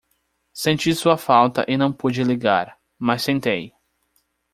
Senti sua falta e não pude ligar, mas tentei.